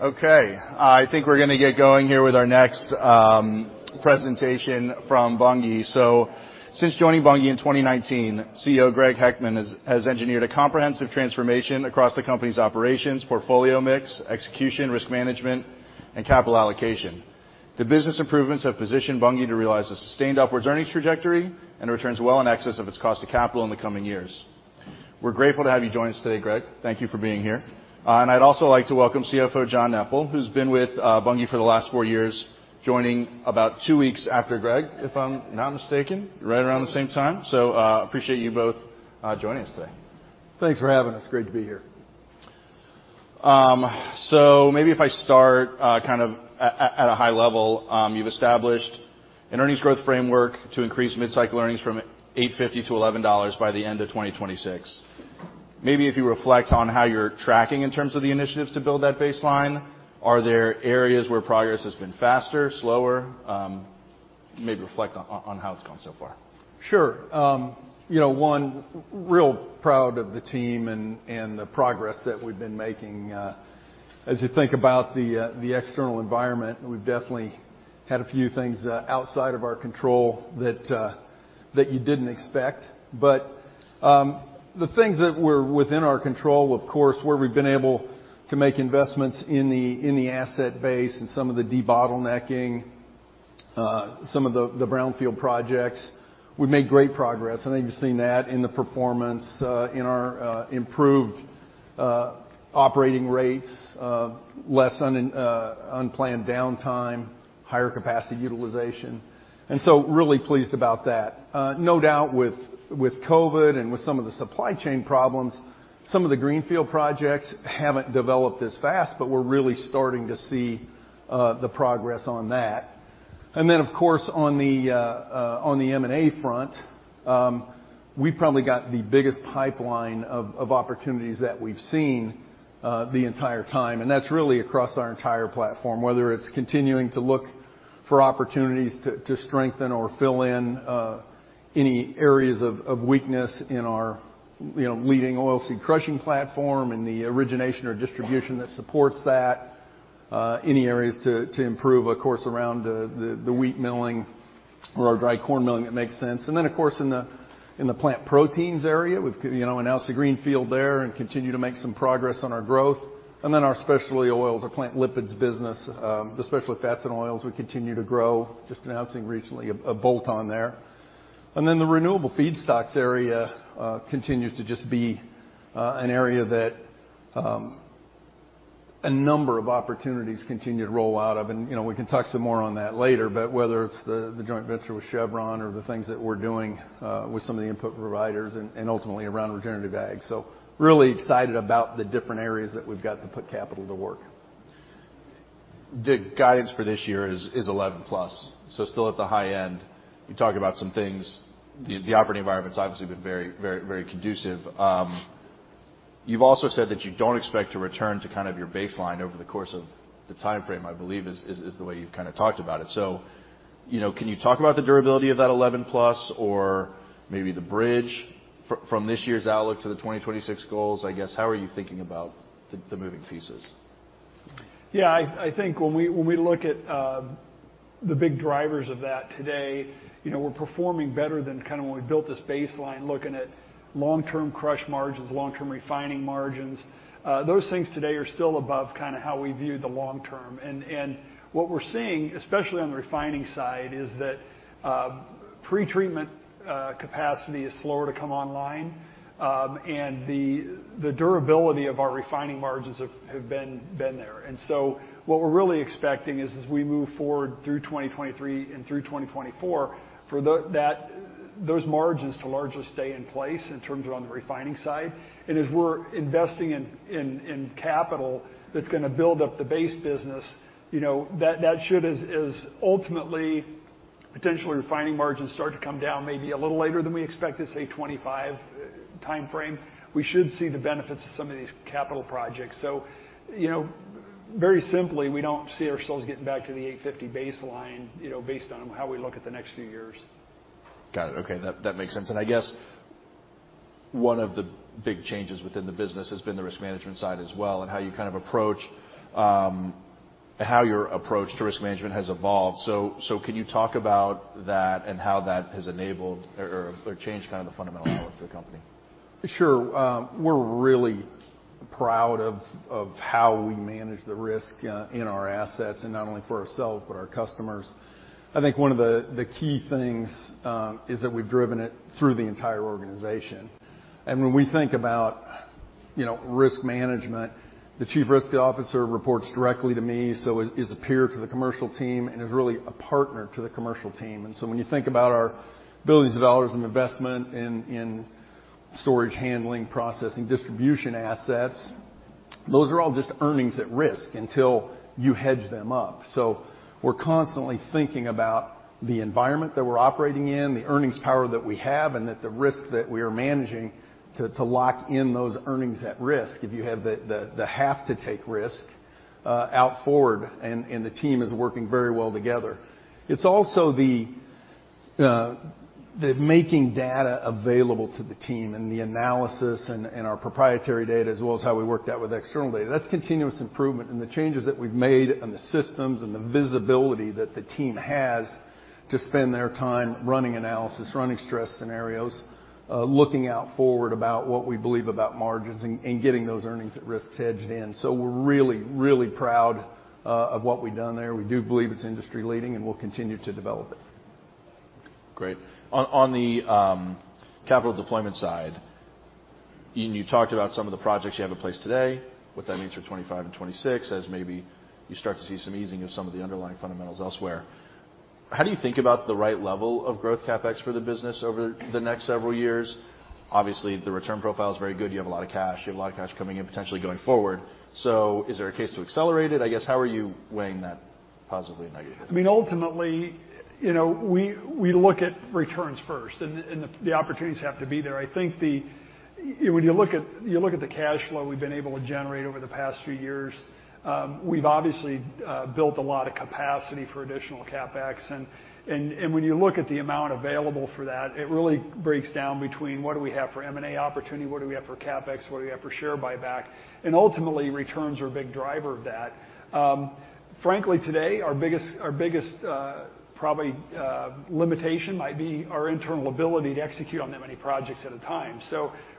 Okay. I think we're gonna get going here with our next presentation from Bunge. Since joining Bunge in 2019, CEO Greg Heckman has engineered a comprehensive transformation across the company's operations, portfolio mix, execution, risk management, and capital allocation. The business improvements have positioned Bunge to realize a sustained upwards earnings trajectory and returns well in excess of its cost to capital in the coming years. We're grateful to have you join us today, Greg. Thank you for being here. And I'd also like to welcome CFO John Neppl, who's been with Bunge for the last four years, joining about two weeks after Greg, if I'm not mistaken. Right around the same time. Appreciate you both joining us today. Thanks for having us. Great to be here. Maybe if I start kind of at a high level. You've established an earnings growth framework to increase mid-cycle earnings from $8.50-$11 by the end of 2026. Maybe if you reflect on how you're tracking in terms of the initiatives to build that baseline, are there areas where progress has been faster, slower? Maybe reflect on how it's gone so far. Sure. you know, one, real proud of the team and the progress that we've been making. As you think about the external environment, we've definitely had a few things outside of our control that you didn't expect. The things that were within our control, of course, where we've been able to make investments in the, in the asset base and some of the debottlenecking, some of the brownfield projects, we've made great progress. I think you've seen that in the performance, in our improved operating rates, less unplanned downtime, higher capacity utilization, really pleased about that. No doubt with COVID and with some of the supply chain problems, some of the greenfield projects haven't developed as fast, but we're really starting to see the progress on that. Of course, on the M&A front, we've probably got the biggest pipeline of opportunities that we've seen the entire time, and that's really across our entire platform, whether it's continuing to look for opportunities to strengthen or fill in any areas of weakness in our, you know, leading oilseed crushing platform, in the origination or distribution that supports that, any areas to improve, of course, around the wheat milling or our dry corn milling that makes sense. Of course, in the Plant Proteins area, we've, you know, announced a greenfield there and continue to make some progress on our growth. Our specialty oils, our Plant Lipids business, the specialty fats and oils we continue to grow, just announcing recently a bolt-on there. The renewable feedstocks area continues to just be an area that a number of opportunities continue to roll out of. You know, we can talk some more on that later, but whether it's the joint venture with Chevron or the things that we're doing with some of the input providers and ultimately around regenerative ag. Really excited about the different areas that we've got to put capital to work. The guidance for this year is 11+, so still at the high end. You talked about some things. The operating environment's obviously been very, very conducive. you've also said that you don't expect to return to kind of your baseline over the course of the timeframe, I believe is the way you've kind of talked about it. you know, can you talk about the durability of that 11+ or maybe the bridge from this year's outlook to the 2026 goals? how are you thinking about the moving pieces? Yeah, I think when we, when we look at the big drivers of that today, you know, we're performing better than kind of when we built this baseline looking at long-term crush margins, long-term refining margins. Those things today are still above kind of how we viewed the long term. What we're seeing, especially on the refining side, is that pretreatment capacity is slower to come online, and the durability of our refining margins have been there. What we're really expecting is as we move forward through 2023 and through 2024, for those margins to largely stay in place in terms of on the refining side. As we're investing in capital that's gonna build up the base business, you know, that should ultimately potentially refining margins start to come down maybe a little later than we expected, say 2025 timeframe, we should see the benefits of some of these capital projects. You know, very simply, we don't see ourselves getting back to the $850 baseline, you know, based on how we look at the next few years. Got it. Okay, that makes sense. I guess one of the big changes within the business has been the risk management side as well, and how your approach to risk management has evolved. Can you talk about that and how that has enabled or changed kind of the fundamental model of the company? Sure. We're really proud of how we manage the risk in our assets, and not only for ourselves, but our customers. I think one of the key things, is that we've driven it through the entire organization. When we think about, you know, risk management, the Chief Risk Officer reports directly to me, so is a peer to the commercial team and is really a partner to the commercial team. When you think about our billions of dollars in investment in storage handling, processing, distribution assets, those are all just earnings at risk until you hedge them up. We're constantly thinking about the environment that we're operating in, the earnings power that we have, and that the risk that we are managing to lock in those earnings at risk if you have the have to take risk out forward, and the team is working very well together. It's also the making data available to the team and the analysis and our proprietary data, as well as how we worked out with external data, that's continuous improvement. The changes that we've made on the systems and the visibility that the team has to spend their time running analysis, running stress scenarios, looking out forward about what we believe about margins and getting those earnings at risks hedged in. We're really proud of what we've done there. We do believe it's industry-leading, and we'll continue to develop it. Great. On the capital deployment side, you talked about some of the projects you have in place today, what that means for 2025 and 2026 as maybe you start to see some easing of some of the underlying fundamentals elsewhere. How do you think about the right level of growth CapEx for the business over the next several years? Obviously, the return profile is very good. You have a lot of cash. You have a lot of cash coming in, potentially going forward. Is there a case to accelerate it? I guess, how are you weighing that positively and negatively? I mean, ultimately, you know, we look at returns first, and the opportunities have to be there. I think when you look at the cash flow we've been able to generate over the past few years, we've obviously built a lot of capacity for additional CapEx. When you look at the amount available for that, it really breaks down between what do we have for M&A opportunity, what do we have for CapEx, what do we have for share buyback? Ultimately, returns are a big driver of that. Frankly, today, our biggest, probably, limitation might be our internal ability to execute on that many projects at a time.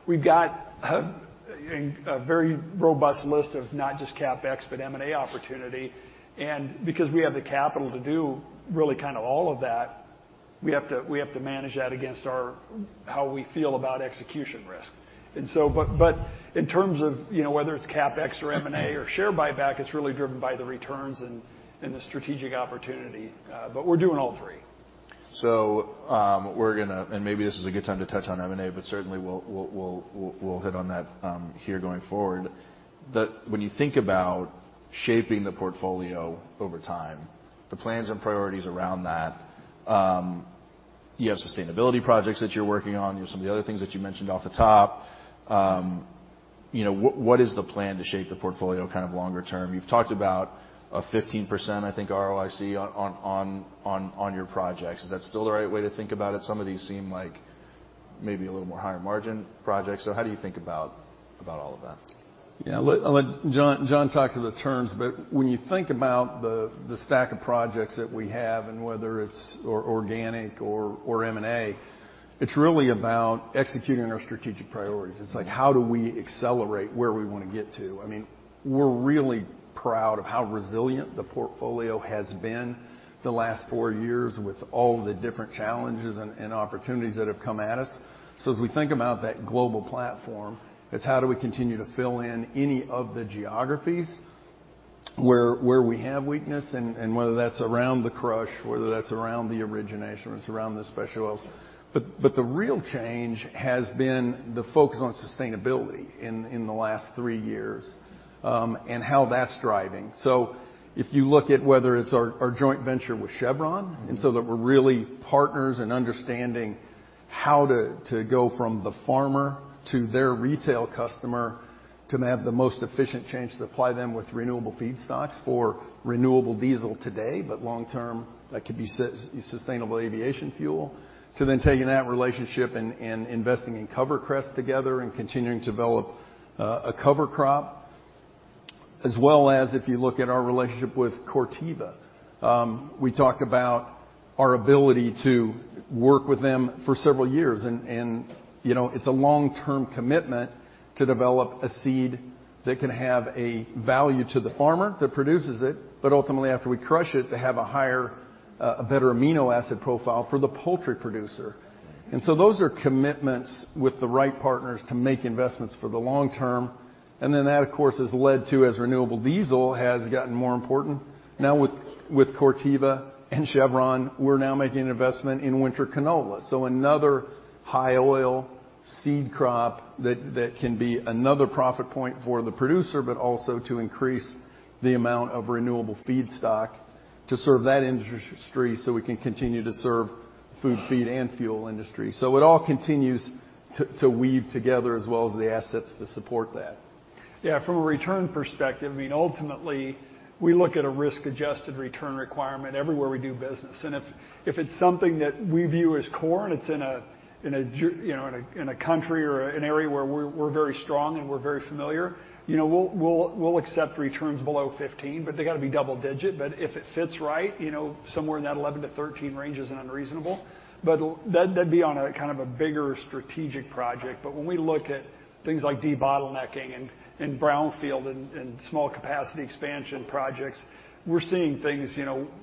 We've got a very robust list of not just CapEx, but M&A opportunity. Because we have the capital to do really kind of all of that, we have to manage that against our, how we feel about execution risk. In terms of, you know, whether it's CapEx or M&A or share buyback, it's really driven by the returns and the strategic opportunity. We're doing all three. Maybe this is a good time to touch on M&A, but certainly, we'll hit on that here going forward. When you think about shaping the portfolio over time, the plans and priorities around that, you have sustainability projects that you're working on. There are some of the other things that you mentioned off the top. You know, what is the plan to shape the portfolio kind of longer term? You've talked about a 15%, I think, ROIC on your projects. Is that still the right way to think about it? Some of these seem like maybe a little more higher margin projects. How do you think about all of that? Yeah. I'll let John talk to the terms. When you think about the stack of projects that we have and whether it's or organic or M&A, it's really about executing our strategic priorities. It's like how do we accelerate where we wanna get to? I mean, we're really proud of how resilient the portfolio has been the last four years with all the different challenges and opportunities that have come at us. As we think about that global platform, it's how do we continue to fill in any of the geographies where we have weakness, and whether that's around the crush, whether that's around the origination, or it's around the special oils. The real change has been the focus on sustainability in the last three years, and how that's driving. If you look at whether it's our joint venture with Chevron, and so that we're really partners in understanding how to go from the farmer to their retail customer to have the most efficient change to supply them with renewable feedstocks for renewable diesel today, but long-term, that could be sustainable aviation fuel. Taking that relationship and investing in CoverCress together and continuing to develop a cover crop. As well as if you look at our relationship with Corteva, we talk about our ability to work with them for several years. You know, it's a long-term commitment to develop a seed that can have a value to the farmer that produces it, but ultimately, after we crush it, to have a higher, a better amino acid profile for the poultry producer. Those are commitments with the right partners to make investments for the long term. That, of course, has led to, as renewable diesel has gotten more important, now with Corteva and Chevron, we're now making an investment in winter canola. Another high oil seed crop that can be another profit point for the producer, but also to increase the amount of renewable feedstock to serve that industry so we can continue to serve food, feed, and fuel industry. It all continues to weave together, as well as the assets to support that. Yeah. From a return perspective, I mean, ultimately, we look at a risk-adjusted return requirement everywhere we do business. If it's something that we view as core, and it's in a, in a country or an area where we're very strong and we're very familiar, you know, we'll accept returns below 15, but they gotta be double digit. If it fits right, you know, somewhere in that 11-13 range isn't unreasonable. That'd be on a kind of a bigger strategic project. When we look at things like debottlenecking and brownfield and small capacity expansion projects, we're seeing things,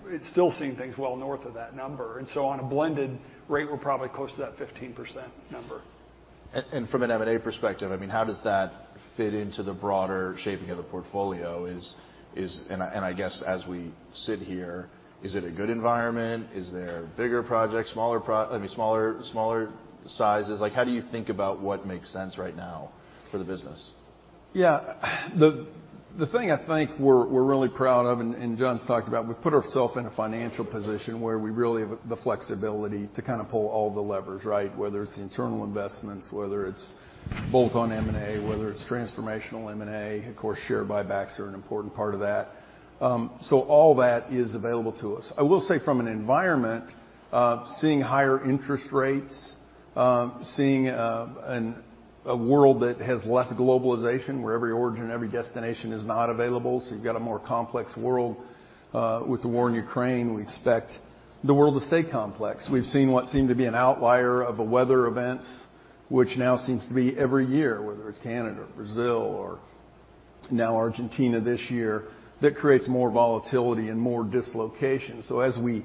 it's still seeing things well north of that number. On a blended rate, we're probably close to that 15% number. From an M&A perspective, I mean, how does that fit into the broader shaping of the portfolio? I guess as we sit here, is it a good environment? Is there bigger projects, I mean, smaller sizes? Like, how do you think about what makes sense right now for the business? The thing I think we're really proud of, and John's talked about, we've put ourself in a financial position where we really have the flexibility to kind of pull all the levers, right? Whether it's the internal investments, whether it's bulk on M&A, whether it's transformational M&A, of course, share buybacks are an important part of that. All that is available to us. I will say from an environment of seeing higher interest rates, seeing a world that has less globalization, where every origin, every destination is not available, so you've got a more complex world. With the war in Ukraine, we expect the world to stay complex. We've seen what seemed to be an outlier of a weather events, which now seems to be every year, whether it's Canada, Brazil, or now Argentina this year. That creates more volatility and more dislocation. As we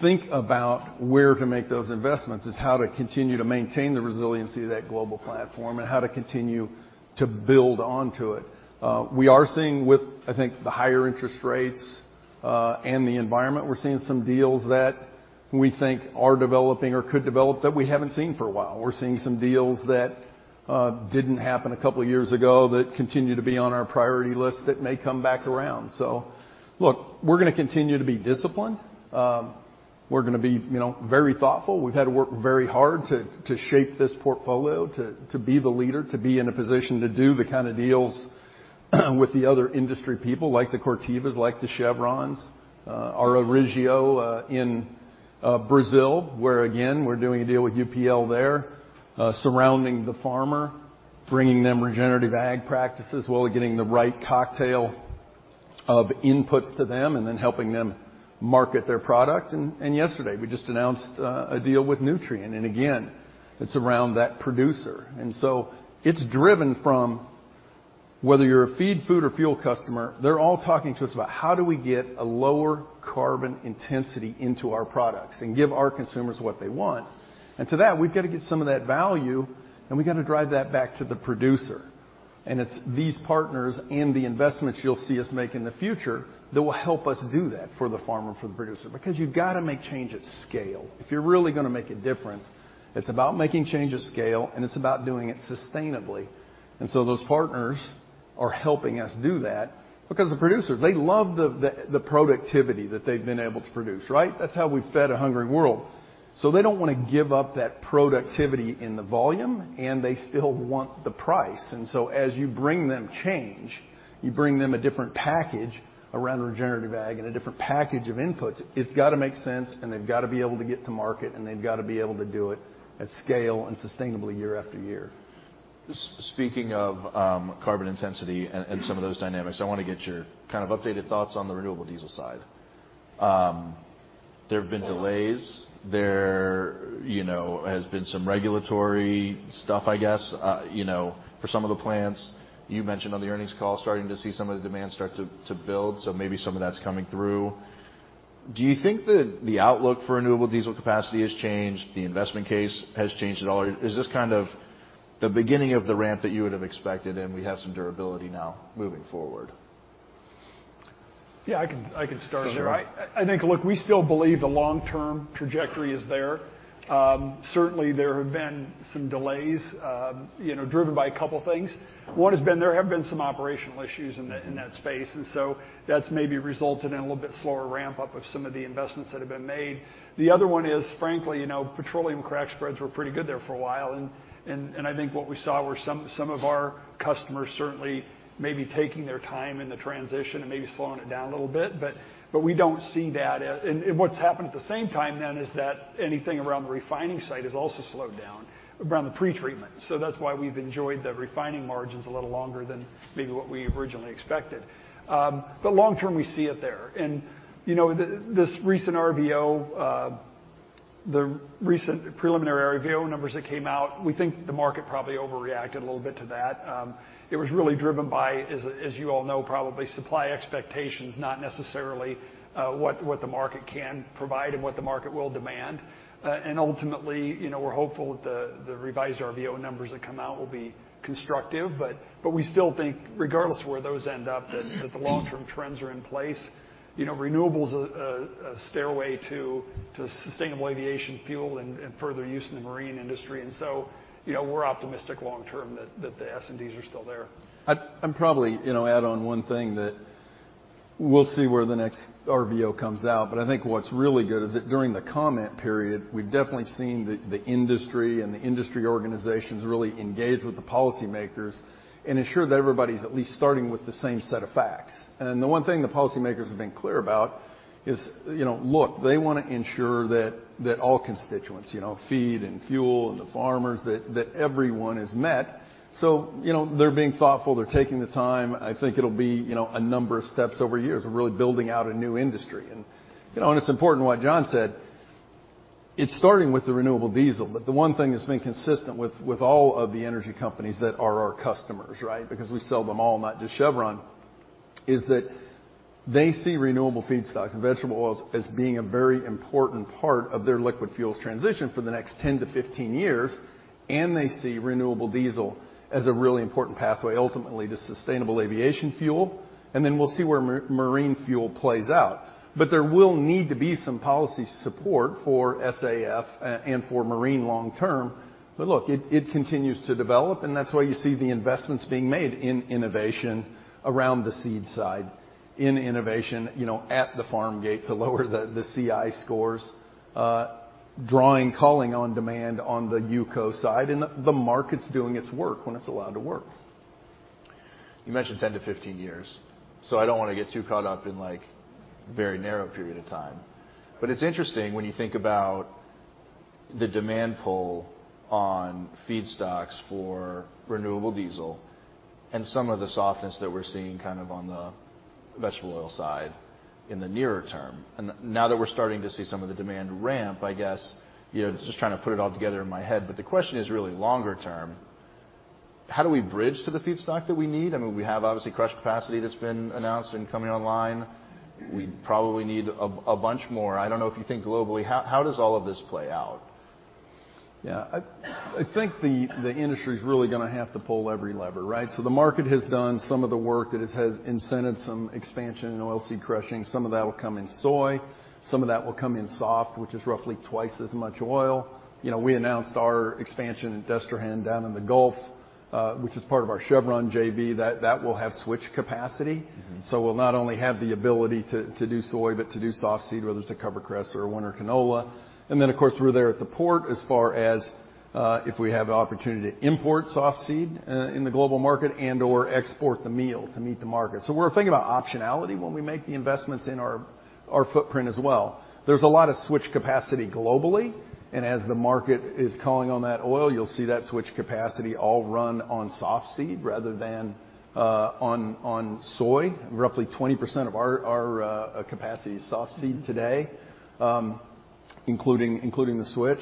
think about where to make those investments is how to continue to maintain the resiliency of that global platform and how to continue to build onto it. We are seeing with, I think, the higher interest rates and the environment, we're seeing some deals that we think are developing or could develop that we haven't seen for a while. We're seeing some deals that didn't happen two years ago that continue to be on our priority list that may come back around. Look, we're gonna continue to be disciplined. We're gonna be, you know, very thoughtful. We've had to work very hard to shape this portfolio to be the leader, to be in a position to do the kinda deals with the other industry people like the Cortevas, like the Chevrons, our Orígeo in Brazil, where again, we're doing a deal with UPL there, surrounding the farmer, bringing them regenerative ag practices while getting the right cocktail of inputs to them and then helping them market their product. Yesterday, we just announced a deal with Nutrien. Again, it's around that producer. It's driven from whether you're a feed, food, or fuel customer, they're all talking to us about, "How do we get a lower carbon intensity into our products and give our consumers what they want?" To that, we've gotta get some of that value, and we gotta drive that back to the producer. It's these partners and the investments you'll see us make in the future that will help us do that for the farmer, for the producer because you've gotta make change at scale. If you're really gonna make a difference, it's about making change at scale, and it's about doing it sustainably. Those partners are helping us do that because the producers, they love the productivity that they've been able to produce, right? That's how we fed a hungry world. They don't wanna give up that productivity in the volume, and they still want the price. As you bring them change, you bring them a different package around the regenerative ag and a different package of inputs. It's gotta make sense, and they've gotta be able to get to market, and they've gotta be able to do it at scale and sustainably year after year. Speaking of carbon intensity and some of those dynamics, I wanna get your kind of updated thoughts on the renewable diesel side. There have been delays. There, you know, has been some regulatory stuff, I guess, you know, for some of the plants. You mentioned on the earnings call starting to see some of the demand start to build, so maybe some of that's coming through. Do you think that the outlook for renewable diesel capacity has changed, the investment case has changed at all? Or is this kind of the beginning of the ramp that you would've expected, and we have some durability now moving forward? Yeah, I can start there. Sure. I think, look, we still believe the long-term trajectory is there. Certainly, there have been some delays, you know, driven by a couple things. One has been there have been some operational issues. Mm-hmm. In that space, that's maybe resulted in a little bit slower ramp-up of some of the investments that have been made. The other one is, frankly, you know, petroleum crack spreads were pretty good there for a while, and I think what we saw were some of our customers certainly maybe taking their time in the transition and maybe slowing it down a little bit. We don't see that and what's happened at the same time then is that anything around the refining site has also slowed down around the pretreatment. That's why we've enjoyed the refining margins a little longer than maybe what we originally expected. Long term, we see it there. You know, this recent RVO, the recent preliminary RVO numbers that came out, we think the market probably overreacted a little bit to that. It was really driven by, as you all know, probably supply expectations, not necessarily, what the market can provide and what the market will demand. Ultimately, you know, we're hopeful that the revised RVO numbers that come out will be constructive. We still think regardless of where those end up, that the long-term trends are in place. You know, renewable's a stairway to sustainable aviation fuel and further use in the marine industry. You know, we're optimistic long term that the S&Ds are still there. I'd probably, you know, add on one thing that we'll see where the next RVO comes out. I think what's really good is that during the comment period, we've definitely seen the industry and the industry organizations really engage with the policymakers and ensure that everybody's at least starting with the same set of facts. The one thing the policymakers have been clear about is, you know, look, they wanna ensure that all constituents, you know, feed and fuel and the farmers, that everyone is met. You know, they're being thoughtful. They're taking the time. I think it'll be, you know, a number of steps over years. We're really building out a new industry. You know, it's important what John said. It's starting with the renewable diesel, the one thing that's been consistent with all of the energy companies that are our customers, right? Because we sell them all, not just Chevron, is that they see renewable feedstocks and vegetable oils as being a very important part of their liquid fuels transition for the next 10-15 years, and they see renewable diesel as a really important pathway ultimately to sustainable aviation fuel. We'll see where marine fuel plays out. There will need to be some policy support for SAF and for marine long term. Look, it continues to develop, and that's why you see the investments being made in innovation around the seed side, in innovation, you know, at the farm gate to lower the CI scores, drawing, calling on demand on the UCO side. The market's doing its work when it's allowed to work. You mentioned 10-15 years, so I don't wanna get too caught up in, like, very narrow period of time. It's interesting when you think about the demand pull on feedstocks for renewable diesel and some of the softness that we're seeing kind of on the vegetable oil side in the nearer term. Now that we're starting to see some of the demand ramp, I guess, you know, just trying to put it all together in my head, but the question is really longer term, how do we bridge to the feedstock that we need? I mean, we have, obviously, crush capacity that's been announced and coming online. We probably need a bunch more. I don't know if you think globally. How does all of this play out? Yeah. I think the industry's really going to have to pull every lever, right? The market has done some of the work that it has incented some expansion in oil seed crushing. Some of that will come in soy, some of that will come in soft, which is roughly twice as much oil. You know, we announced our expansion in Destrehan down in the Gulf, which is part of our Chevron JV, that will have switch capacity. Mm-hmm. We'll not only have the ability to do soy, but to do soft seed, whether it's a CoverCress or a winter canola. Of course, we're there at the port as far as if we have the opportunity to import soft seed in the global market and/or export the meal to meet the market. We're thinking about optionality when we make the investments in our footprint as well. There's a lot of switch capacity globally, and as the market is calling on that oil, you'll see that switch capacity all run on soft seed rather than on soy. Roughly 20% of our capacity is soft seed today, including the switch.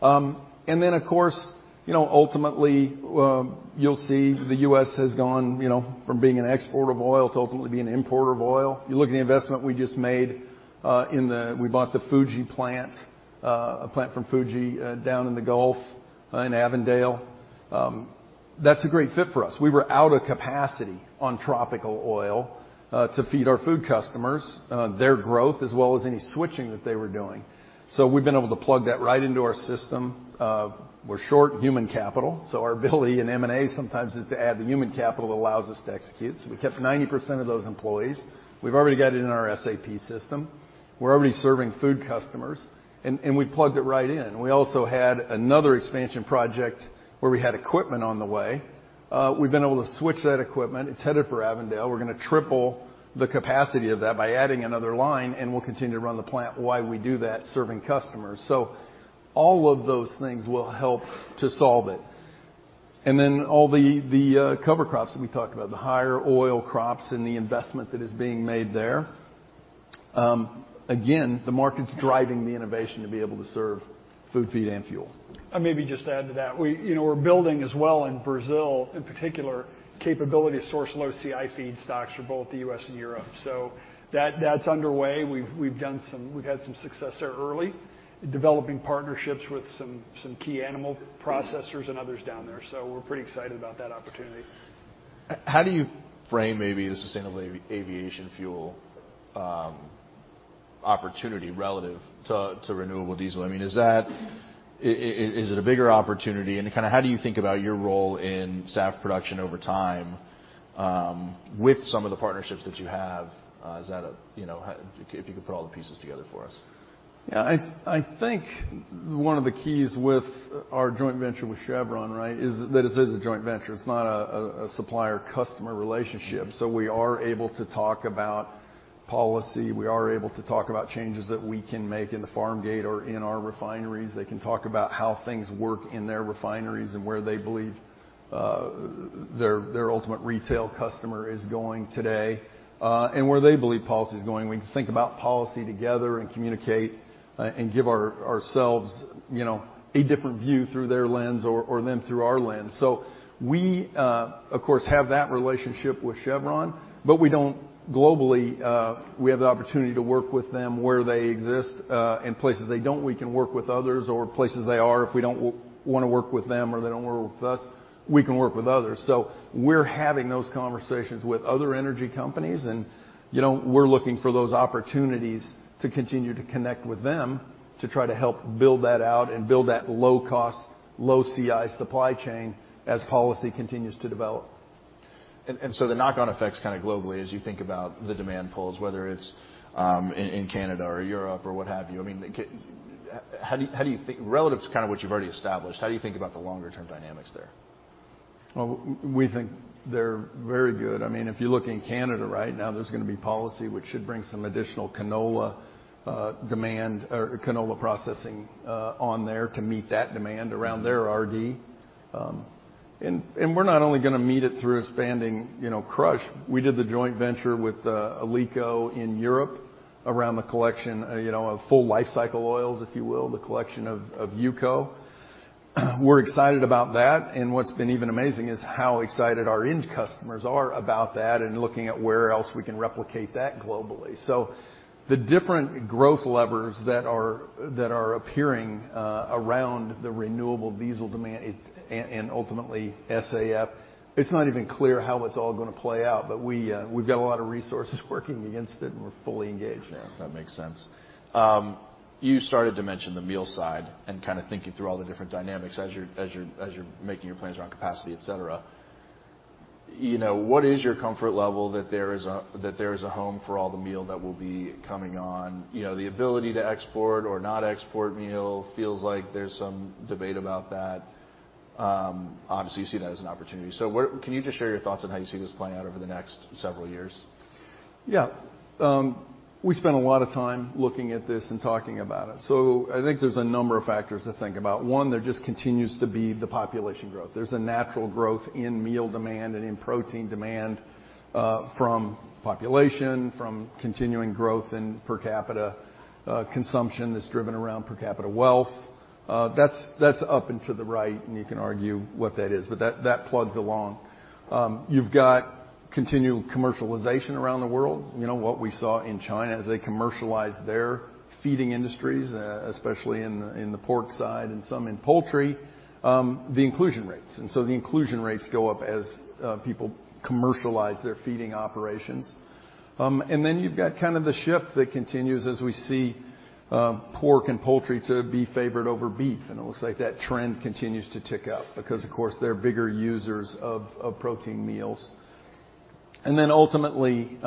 Of course, you know, ultimately, you'll see the U.S. has gone, you know, from being an exporter of oil to ultimately being an importer of oil. You look at the investment we just made, we bought the Fuji plant, a plant from Fuji, down in the Gulf, in Avondale. That's a great fit for us. We were out of capacity on tropical oil to feed our food customers, their growth, as well as any switching that they were doing. We've been able to plug that right into our system. We're short human capital, so our ability in M&A sometimes is to add the human capital that allows us to execute. We kept 90% of those employees. We've already got it in our SAP system. We're already serving food customers, and we plugged it right in. We also had another expansion project where we had equipment on the way. We've been able to switch that equipment. It's headed for Avondale. We're gonna triple the capacity of that by adding another line, and we'll continue to run the plant while we do that, serving customers. All of those things will help to solve it. All the cover crops that we talked about, the higher oil crops and the investment that is being made there. Again, the market's driving the innovation to be able to serve food, feed, and fuel. I'll maybe just add to that. We, you know, we're building as well in Brazil, in particular, capability to source low CI feedstocks for both the U.S. and Europe. That, that's underway. We've, we've had some success there early developing partnerships with some key animal processors and others down there. We're pretty excited about that opportunity. How do you frame maybe the sustainable aviation fuel opportunity relative to renewable diesel? I mean, is it a bigger opportunity? Kinda how do you think about your role in SAF production over time with some of the partnerships that you have, is that a, you know, if you could put all the pieces together for us. I think one of the keys with our joint venture with Chevron, right, is that it is a joint venture. It's not a supplier-customer relationship. We are able to talk about policy. We are able to talk about changes that we can make in the farm gate or in our refineries. They can talk about how things work in their refineries and where they believe their ultimate retail customer is going today and where they believe policy is going. We can think about policy together and communicate and give ourselves, you know, a different view through their lens or them through our lens. We, of course, have that relationship with Chevron, but we don't globally. We have the opportunity to work with them where they exist. In places they don't, we can work with others, or places they are, if we don't wanna work with them or they don't wanna work with us, we can work with others. We're having those conversations with other energy companies and, you know, we're looking for those opportunities to continue to connect with them to try to help build that out and build that low cost, low CI supply chain as policy continues to develop. The knock-on effects kinda globally as you think about the demand pulls, whether it's, in Canada or Europe or what have you, I mean, how do you think Relative to kind of what you've already established, how do you think about the longer term dynamics there? Well, we think they're very good. I mean, if you look in Canada right now, there's gonna be policy which should bring some additional canola demand or canola processing on there to meet that demand around their RD. We're not only gonna meet it through expanding, you know, crush. We did the joint venture with Olleco in Europe around the collection, you know, of full lifecycle oils, if you will, the collection of UCO. We're excited about that, and what's been even amazing is how excited our end customers are about that and looking at where else we can replicate that globally. The different growth levers that are appearing around the renewable diesel demand, and ultimately SAF, it's not even clear how it's all gonna play out, but we've got a lot of resources working against it, and we're fully engaged there. That makes sense. You started to mention the meal side and kinda thinking through all the different dynamics as you're making your plans around capacity, et cetera. You know, what is your comfort level that there is a home for all the meal that will be coming on? You know, the ability to export or not export meal feels like there's some debate about that. Obviously, you see that as an opportunity. Can you just share your thoughts on how you see this playing out over the next several years? Yeah. We spend a lot of time looking at this and talking about it. I think there's a number of factors to think about. One, there just continues to be the population growth. There's a natural growth in meal demand and in protein demand from population, from continuing growth in per capita consumption that's driven around per capita wealth. That's up and to the right, and you can argue what that is. That plugs along. You've got continuing commercialization around the world. You know, what we saw in China as they commercialized their feeding industries, especially in the pork side and some in poultry, the inclusion rates. The inclusion rates go up as people commercialize their feeding operations. You've got kind of the shift that continues as we see pork and poultry to be favored over beef. It looks like that trend continues to tick up because, of course, they're bigger users of protein meals. Ultimately,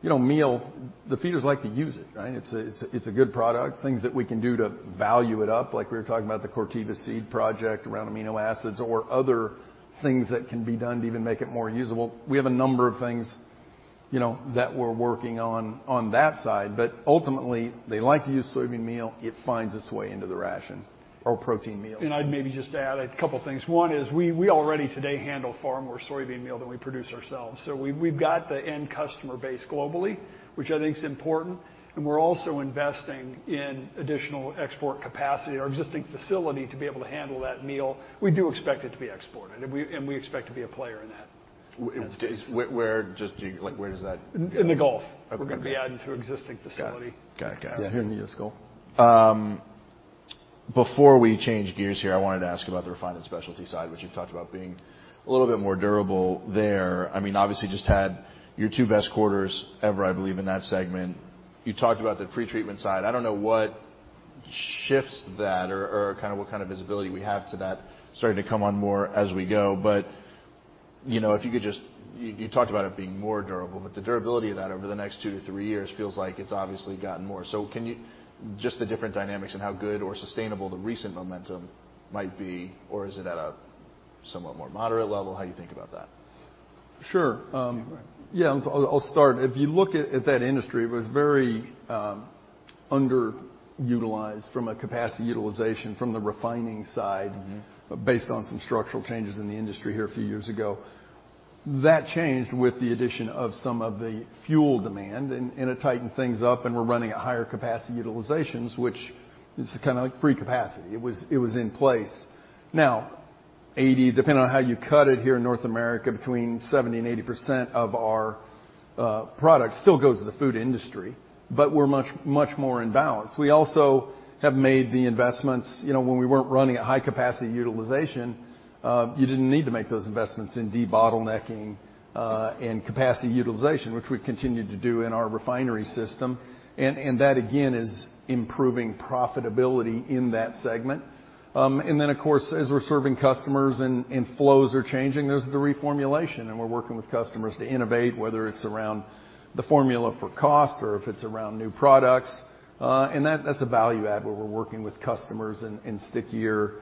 you know, meal, the feeders like to use it, right? It's a good product. Things that we can do to value it up, like we were talking about the Corteva seed project around amino acids or other things that can be done to even make it more usable. We have a number of things, you know, that we're working on that side. Ultimately, they like to use soybean meal. It finds its way into the ration or protein meal. I'd maybe just add a couple things. One is we already today handle far more soybean meal than we produce ourselves. We've got the end customer base globally, which I think is important. We're also investing in additional export capacity, our existing facility to be able to handle that meal. We do expect it to be exported, we expect to be a player in that. Like, where does that- In the Gulf. Okay. We're gonna be adding to our existing facility. Got it. Got it. Yeah. Here in the U.S., Scott. Before we change gears here, I wanted to ask about the refined and specialty side, which you've talked about being a little bit more durable there. I mean, obviously, just had your two best quarters ever, I believe, in that segment. You talked about the pretreatment side. I don't know what shifts that or what kind of visibility we have to that starting to come on more as we go. You know, you talked about it being more durable. The durability of that over the next two to three years feels like it's obviously gotten more. Just the different dynamics and how good or sustainable the recent momentum might be, or is it at a somewhat more moderate level? How do you think about that? Sure. Yeah, I'll start. If you look at that industry, it was very underutilized from a capacity utilization from the refining side. Mm-hmm ...based on some structural changes in the industry here a few years ago. That changed with the addition of some of the fuel demand, and it tightened things up, and we're running at higher capacity utilizations, which is kinda like free capacity. It was in place. Now, 80%, depending on how you cut it here in North America, between 70% and 80% of our product still goes to the food industry, but we're much, much more in balance. We also have made the investments. You know, when we weren't running at high capacity utilization, you didn't need to make those investments in debottlenecking and capacity utilization, which we've continued to do in our refinery system. That again is improving profitability in that segment. Then of course, as we're serving customers and flows are changing, there's the reformulation, and we're working with customers to innovate, whether it's around the formula for cost or if it's around new products. That, that's a value add where we're working with customers and stickier.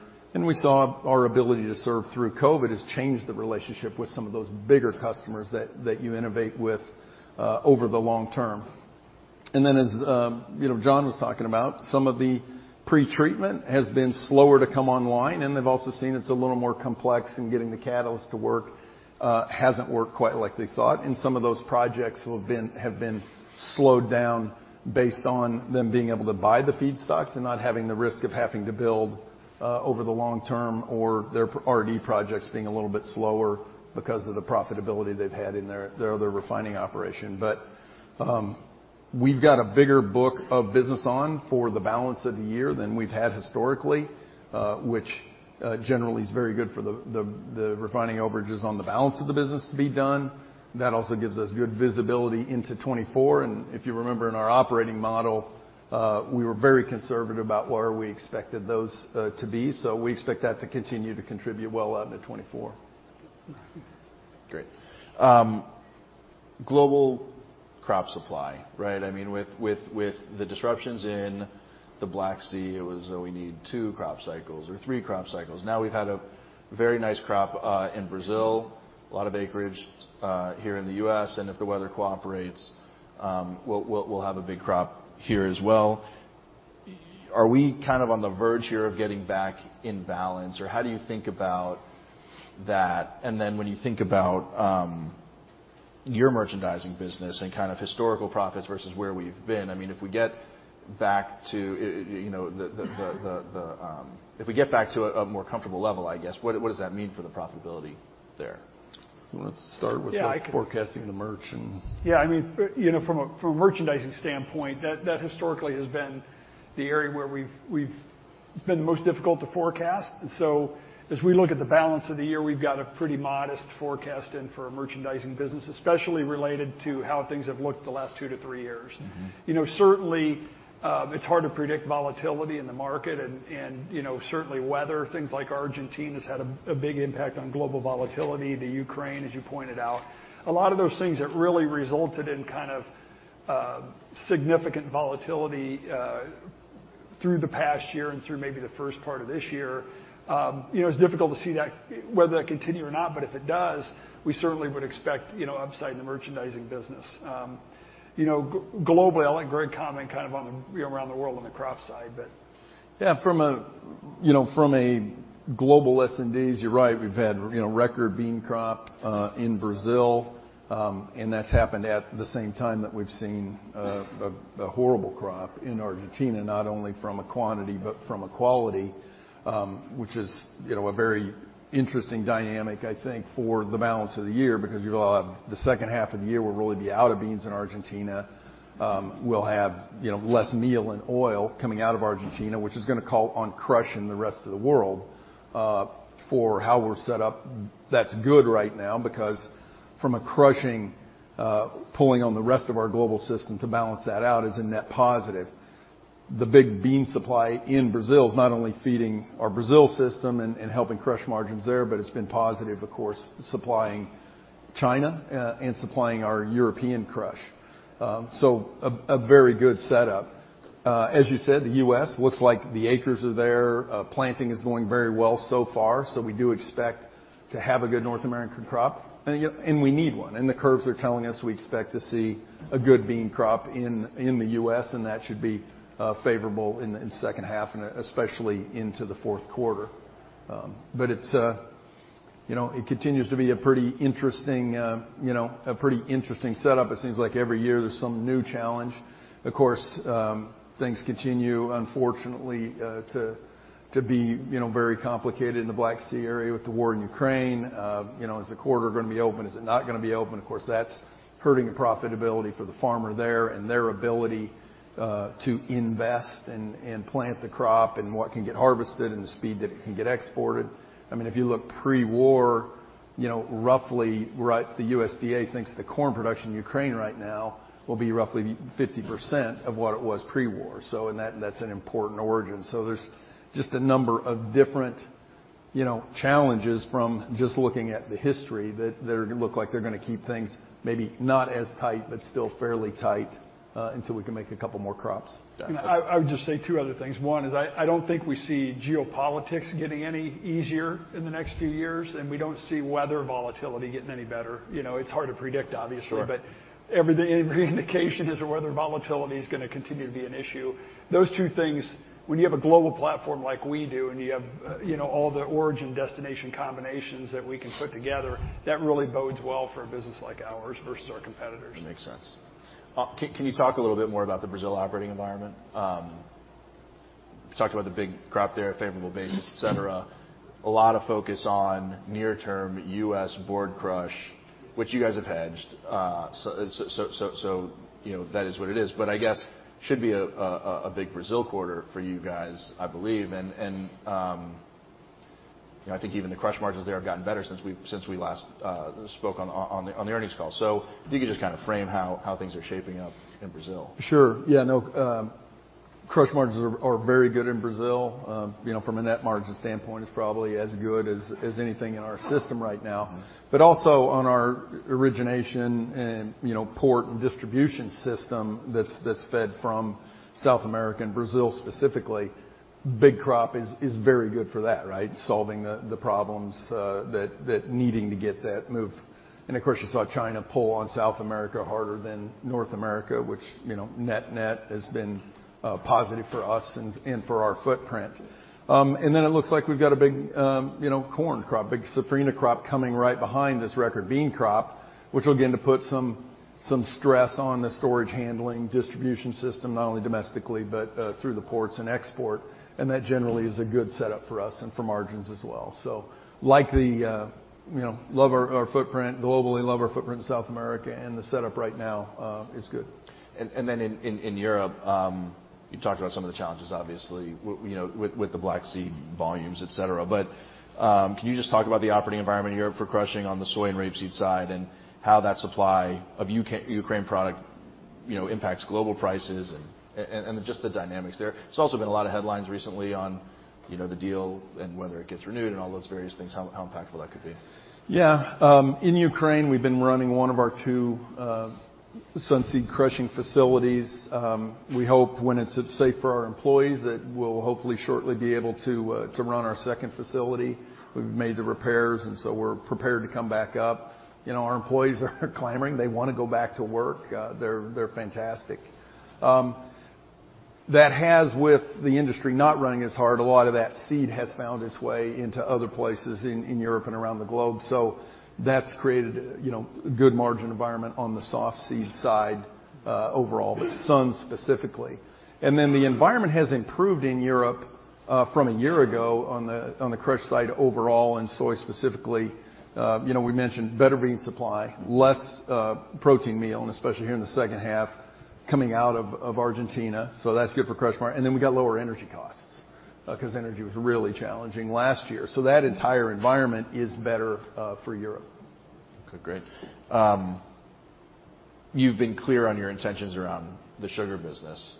We saw our ability to serve through COVID has changed the relationship with some of those bigger customers that you innovate with over the long term. Then as, you know, John was talking about, some of the pretreatment has been slower to come online, and they've also seen it's a little more complex, and getting the catalyst to work, hasn't worked quite like they thought. Some of those projects will have been slowed down based on them being able to buy the feedstocks and not having the risk of having to build over the long term or their R&D projects being a little bit slower because of the profitability they've had in their other refining operation. We've got a bigger book of business on for the balance of the year than we've had historically, which generally is very good for the refining overages on the balance of the business to be done. That also gives us good visibility into 2024. If you remember in our operating model, we were very conservative about where we expected those to be. We expect that to continue to contribute well out into 2024. Great. Global crop supply, right? I mean, with the disruptions in the Black Sea, it was, oh, we need two crop cycles or three crop cycles. Now we've had a very nice crop in Brazil, a lot of acreage here in the U.S., and if the weather cooperates, we'll have a big crop here as well. Are we kind of on the verge here of getting back in balance, or how do you think about that? When you think about your merchandising business and kind of historical profits versus where we've been, I mean, if we get back to a more comfortable level, I guess, what does that mean for the profitability there? You wanna start with? Yeah. ...forecasting the merch and? Yeah, I mean, you know, from a merchandising standpoint, that historically has been the area where we've it's been the most difficult to forecast. As we look at the balance of the year, we've got a pretty modest forecast in for our merchandising business, especially related to how things have looked the last two to three years. Mm-hmm. You know, certainly, it's hard to predict volatility in the market and, you know, certainly weather. Things like Argentina's had a big impact on global volatility, the Ukraine, as you pointed out. A lot of those things that really resulted in kind of significant volatility Through the past year and through maybe the first part of this year, you know, it's difficult to see whether that continue or not, but if it does, we certainly would expect, you know, upside in the merchandising business. You know, globally, I'll let Greg comment kind of on the, you know, around the world on the crop side, but. Yeah, you know, from a global S&D, you're right. We've had, you know, record bean crop in Brazil, and that's happened at the same time that we've seen a horrible crop in Argentina, not only from a quantity, but from a quality, which is, you know, a very interesting dynamic, I think, for the balance of the year because you're gonna have the second half of the year will really be out of beans in Argentina. We'll have, you know, less meal and oil coming out of Argentina, which is gonna call on crushing the rest of the world. For how we're set up, that's good right now because from a crushing, pulling on the rest of our global system to balance that out is a net positive. The big bean supply in Brazil is not only feeding our Brazil system and helping crush margins there, but it's been positive, of course, supplying China, and supplying our European crush. A very good setup. As you said, the US looks like the acres are there. Planting is going very well so far, so we do expect to have a good North American crop. You know, and we need one. The curves are telling us we expect to see a good bean crop in the U.S., and that should be favorable in the second half, and especially into the fourth quarter. It's, you know, it continues to be a pretty interesting, you know, a pretty interesting setup. It seems like every year there's some new challenge. Of course, things continue, unfortunately, to be, you know, very complicated in the Black Sea area with the war in Ukraine. You know, is the corridor gonna be open? Is it not gonna be open? Of course, that's hurting the profitability for the farmer there and their ability to invest and plant the crop and what can get harvested and the speed that it can get exported. I mean, if you look pre-war, you know, roughly the USDA thinks the corn production in Ukraine right now will be roughly 50% of what it was pre-war. In that's an important origin. There's just a number of different, you know, challenges from just looking at the history that they're gonna look like they're gonna keep things maybe not as tight, but still fairly tight, until we can make a couple more crops. I would just say two other things. One is I don't think we see geopolitics getting any easier in the next few years, and we don't see weather volatility getting any better. You know, it's hard to predict, obviously. Sure. Every day, every indication is weather volatility is gonna continue to be an issue. Those two things, when you have a global platform like we do, and you have, you know, all the origin destination combinations that we can put together, that really bodes well for a business like ours versus our competitors. That makes sense. Can you talk a little bit more about the Brazil operating environment? You talked about the big crop there at favorable basis, et cetera. A lot of focus on near term US board crush, which you guys have hedged. So, you know, that is what it is, but I guess should be a big Brazil quarter for you guys, I believe. I think even the crush margins there have gotten better since we last spoke on the earnings call. If you could just kinda frame how things are shaping up in Brazil. Sure. Yeah. No, crush margins are very good in Brazil. You know, from a net margin standpoint, it's probably as good as anything in our system right now. Also on our origination and, you know, port and distribution system that's fed from South America, and Brazil specifically, big crop is very good for that, right? Solving the problems that needing to get that move. Of course, you saw China pull on South America harder than North America, which, you know, net-net has been positive for us and for our footprint. Then it looks like we've got a big, you know, corn crop, big safrinha crop coming right behind this record bean crop, which will begin to put some stress on the storage handling distribution system, not only domestically, but through the ports and export. That generally is a good setup for us and for margins as well. Like the, you know, love our footprint globally, love our footprint in South America, and the setup right now is good. Then in Europe, you talked about some of the challenges, obviously, you know, with the Black Sea volumes, et cetera. Can you just talk about the operating environment in Europe for crushing on the soy and rapeseed side and how that supply of U.K.-Ukraine product, you know, impacts global prices and just the dynamics there. There's also been a lot of headlines recently on, you know, the deal and whether it gets renewed and all those various things, how impactful that could be. Yeah. In Ukraine, we've been running one of our two sun seed crushing facilities. We hope when it's safe for our employees that we'll hopefully shortly be able to run our second facility. We've made the repairs, we're prepared to come back up. You know, our employees are clamoring. They wanna go back to work. They're fantastic. That has with the industry not running as hard, a lot of that seed has found its way into other places in Europe and around the globe. That's created, you know, good margin environment on the soft seed side, overall, but sun specifically. The environment has improved in Europe from a year ago on the crush side overall, and soy specifically. You know, we mentioned better bean supply, less protein meal, and especially here in the second half coming out of Argentina. That's good for crush margin. Then we got lower energy costs, 'cause energy was really challenging last year. That entire environment is better for Europe. Okay, great. You've been clear on your intentions around the sugar business.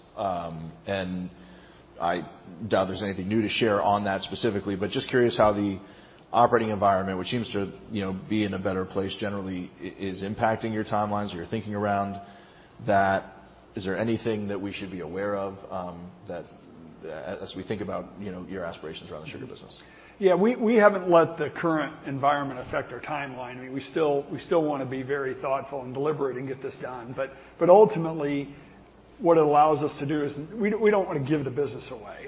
I doubt there's anything new to share on that specifically, but just curious how the operating environment, which seems to, you know, be in a better place generally, is impacting your timelines or your thinking around that. Is there anything that we should be aware of, that, as we think about, you know, your aspirations around the sugar business? Yeah. We haven't let the current environment affect our timeline. I mean, we still wanna be very thoughtful and deliberate and get this done. Ultimately, what it allows us to do is we don't wanna give the business away.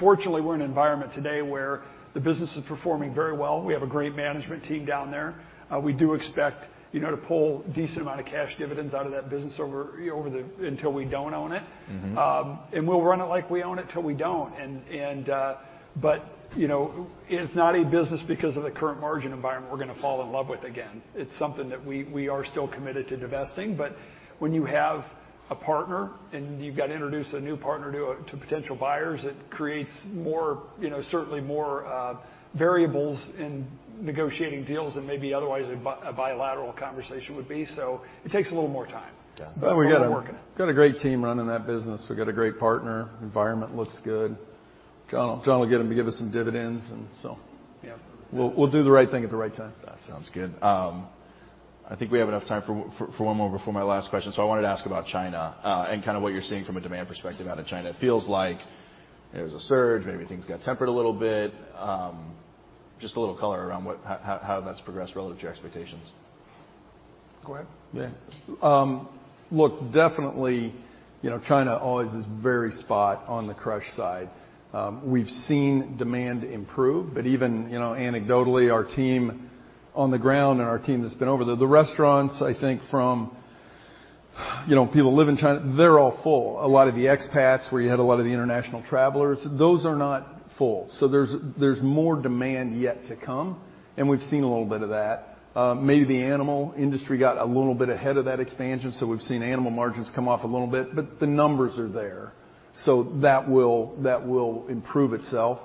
Fortunately, we're in an environment today where the business is performing very well. We have a great management team down there. We do expect, you know, to pull a decent amount of cash dividends out of that business over, you know, until we don't own it. Mm-hmm. We'll run it like we own it till we don't. But, you know, it's not a business, because of the current margin environment, we're gonna fall in love with again. It's something that we are still committed to divesting. When you have a partner and you've got to introduce a new partner to potential buyers, it creates more, you know, certainly more variables in negotiating deals than maybe otherwise a bilateral conversation would be. It takes a little more time. Got it. Well, we got. We're working it. Got a great team running that business. We've got a great partner. Environment looks good. John'll get them to give us some dividends. Yeah. We'll do the right thing at the right time. That sounds good. I think we have enough time for one more before my last question. I wanted to ask about China, and kinda what you're seeing from a demand perspective out of China. It feels like there was a surge, maybe things got tempered a little bit. Just a little color around what how that's progressed relative to your expectations? Go ahead. Look, definitely, you know, China always is very spot on the crush side. We've seen demand improve. Even, you know, anecdotally, our team on the ground and our team that's been over there, the restaurants, I think from, you know, people living in China, they're all full. A lot of the expats, where you had a lot of the international travelers, those are not full. There's, there's more demand yet to come, and we've seen a little bit of that. Maybe the animal industry got a little bit ahead of that expansion, so we've seen animal margins come off a little bit. The numbers are there, so that will improve itself.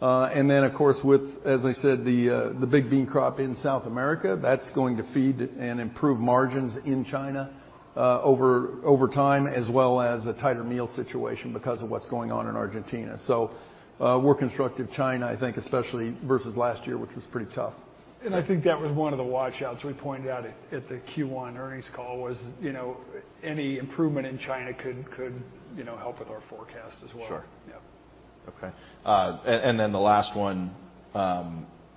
Of course, with, as I said, the big bean crop in South America, that's going to feed and improve margins in China, over time, as well as a tighter meal situation because of what's going on in Argentina. We're constructive China, I think especially versus last year, which was pretty tough. I think that was one of the watch-outs we pointed out at the Q1 earnings call, was, you know, any improvement in China could, you know, help with our forecast as well. Sure. Yeah. Okay. Then the last one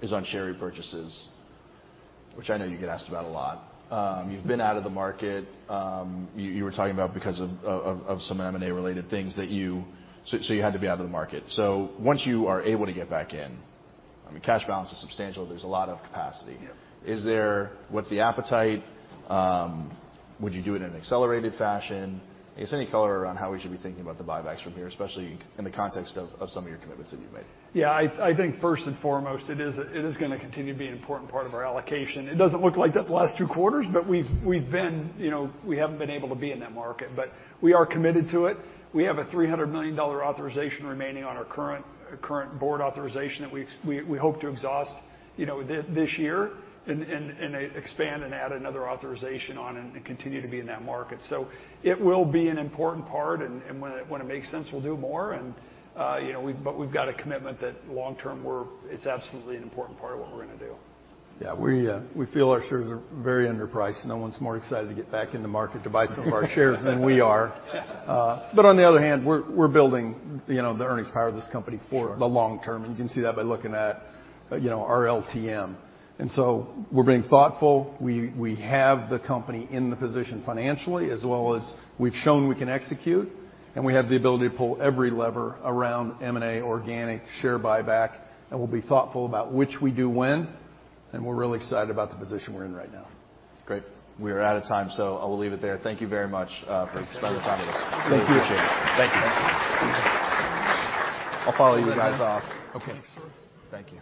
is on share repurchases, which I know you get asked about a lot. You've been out of the market, you were talking about because of some M&A-related things that you... you had to be out of the market. Once you are able to get back in, I mean, cash balance is substantial, there's a lot of capacity. Yeah. What's the appetite? Would you do it in an accelerated fashion? I guess any color around how we should be thinking about the buybacks from here, especially in the context of some of your commitments that you've made. Yeah. I think first and foremost, it is gonna continue to be an important part of our allocation. It doesn't look like that the last two quarters, we've been. You know, we haven't been able to be in that market. We are committed to it. We have a $300 million authorization remaining on our current board authorization that we hope to exhaust, you know, this year. Expand and add another authorization on and continue to be in that market. It will be an important part, and when it makes sense, we'll do more, and, you know, but we've got a commitment that long term it's absolutely an important part of what we're gonna do. We feel our shares are very underpriced. No one's more excited to get back in the market to buy some of our shares than we are. On the other hand, we're building, you know, the earnings power of this company for the long term, and you can see that by looking at, you know, our LTM. We're being thoughtful. We have the company in the position financially, as well as we've shown we can execute, and we have the ability to pull every lever around M&A, organic, share buyback, and we'll be thoughtful about which we do when, and we're really excited about the position we're in right now. Great. We are out of time, so I will leave it there. Thank you very much, for spending time with us. Thank you. Thank you. I'll follow you guys off. Thanks. Okay. Thank you.